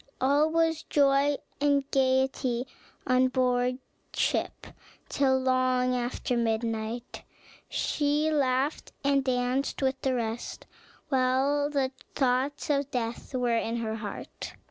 All was joy and gayety on board ship till long after midnight; she laughed and danced with the rest, while the thoughts of death were in her heart.